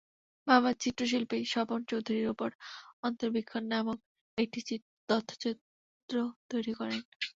বাবা চিত্রশিল্পী স্বপন চৌধুরীর ওপর অন্তরবীক্ষণ নামে একটি তথ্যচিত্র তৈরি করেন।